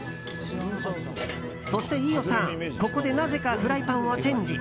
そして飯尾さん、ここでなぜかフライパンをチェンジ。